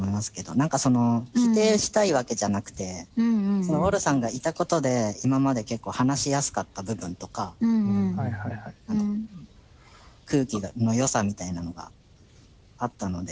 何かその否定したいわけじゃなくてウォルさんがいたことで今まで結構話しやすかった部分とか空気の良さみたいなのがあったので。